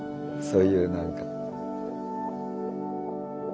そういう何か。